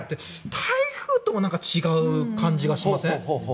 台風とも違う感じがしますね。